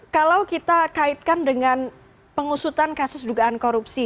kalau kita kaitkan dengan pengusutan kasus dugaan korupsi